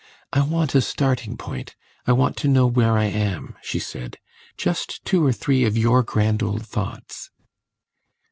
"I want a starting point I want to know where I am," she said. "Just two or three of your grand old thoughts."